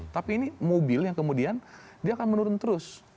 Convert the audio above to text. tapi ini mobil yang kemudian dia akan menurun terus